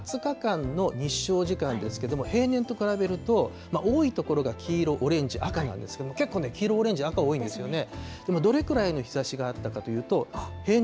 ここ２０日間の日照時間ですけれども、平年と比べると多い所が黄色、オレンジ、赤なんですが、結構黄色、オレンジ、赤多いんですよね。